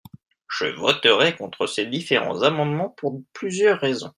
Je voterai contre ces différents amendements pour plusieurs raisons.